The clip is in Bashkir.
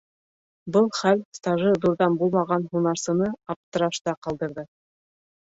Был хәл стажы ҙурҙан булмаған һунарсыны аптырашта ҡалдырҙы.